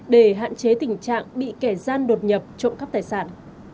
để hạn chế tình trạng bị kẻ gian đột nhập trộm cắp tài sản